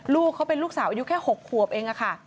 ลูกเขาเป็นลูกสาวอายุแค่๖ขวบเองค่ะ